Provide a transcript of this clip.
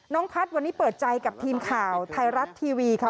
พัฒน์วันนี้เปิดใจกับทีมข่าวไทยรัฐทีวีค่ะ